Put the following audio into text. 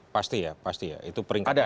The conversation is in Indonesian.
pasti ya pasti ya itu peringkat